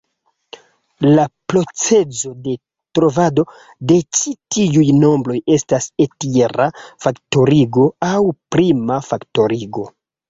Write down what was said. La procezo de trovado de ĉi tiuj nombroj estas entjera faktorigo, aŭ prima faktorigo.